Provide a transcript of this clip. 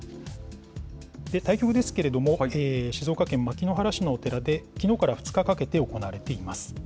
対局ですけれども、静岡県牧之原市のお寺で、きのうから２日かけて行われています。